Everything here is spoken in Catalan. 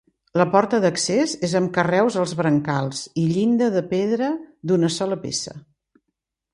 La porta d'accés és amb carreus als brancals i llinda de pedra d'una sola peça.